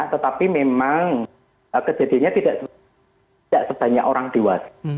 tetapi memang kejadiannya tidak sebanyak orang dewasa